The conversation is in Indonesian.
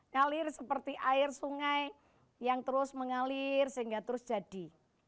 ngalir seperti air sungai yang terus mengalir sehingga terus jadi